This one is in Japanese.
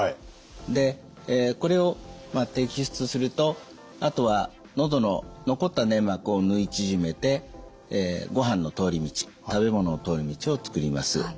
でこれを摘出するとあとは喉の残った粘膜を縫い縮めてごはんの通り道食べ物の通り道を作ります。